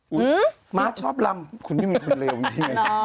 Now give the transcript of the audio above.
หื้อมะชอบรำคุณนี่คือคนเร็วค่ะ